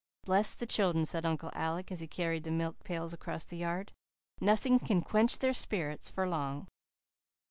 "Bless the children," said Uncle Alec, as he carried the milk pails across the yard. "Nothing can quench their spirits for long."